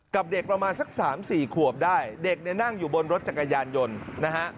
กับเด็กประมาณสัก๓๔ขวบได้เด็กนั่งอยู่บนรถจักรยานยนต์